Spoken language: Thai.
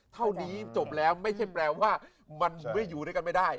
เท่านี้จบแล้วไม่ใช่แปลว่ามันไม่อยู่ด้วยกันไม่ได้